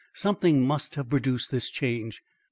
Something must have produced this change.